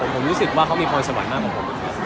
ผมรู้สึกว่าเขามีพรสวรรค์มากกว่าผม